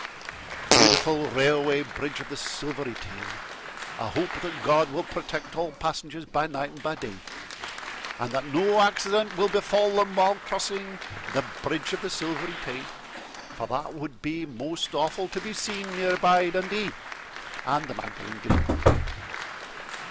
Beautiful Railway Bridge of the Silvery Tay! I hope that God will protect all passengers By night and by day, And that no accident will befall them while crossing The Bridge of the Silvery Tay, For that would be most awful to be seen Near by Dundee and the Magdalen Green.